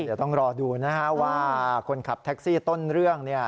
เดี๋ยวต้องรอดูนะฮะว่าคนขับแท็กซี่ต้นเรื่อง